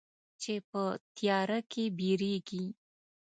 چې په تیاره کې بیریږې